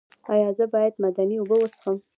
ایا زه باید معدني اوبه وڅښم؟